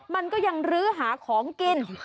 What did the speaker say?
มันก็ยังลื้อหาของกิน